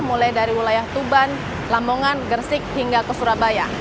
mulai dari wilayah tuban lamongan gersik hingga ke surabaya